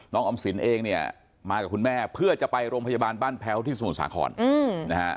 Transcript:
ออมสินเองเนี่ยมากับคุณแม่เพื่อจะไปโรงพยาบาลบ้านแพ้วที่สมุทรสาครนะฮะ